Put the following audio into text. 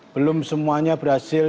belum semuanya berhasil